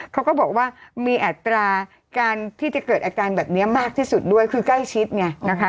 เขาก็บอกว่ามีอัตราการที่จะเกิดอาการแบบนี้มากที่สุดด้วยคือใกล้ชิดไงนะคะ